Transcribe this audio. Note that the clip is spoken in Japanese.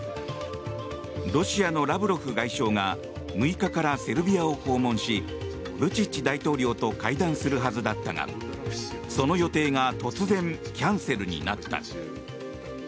ロシアのラブロフ外相が６日からセルビアを訪問しブチッチ大統領と会談するはずだったがその予定が突然キャンセルになった。